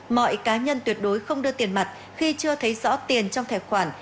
mọi cá nhân tuyệt đối không đưa tiền mặt khi chưa thấy rõ tiền trong tài khoản